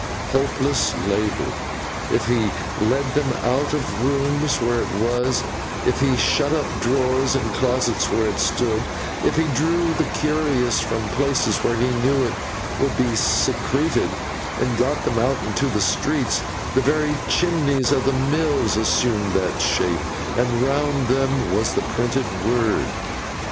Hopeless labour! If he led them out of rooms where it was, if he shut up drawers and closets where it stood, if he drew the curious from places where he knew it to be secreted, and got them out into the streets, the very chimneys of the mills assumed that shape, and round them was the printed word.